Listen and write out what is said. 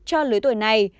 cho lứa tuổi này